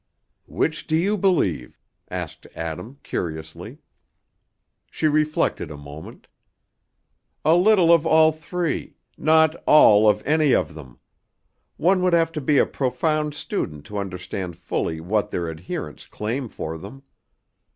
"Which do you believe?" asked Adam, curiously. She reflected a moment. "A little of all three; not all of any of them; one would have to be a profound student to understand fully what their adherents claim for them.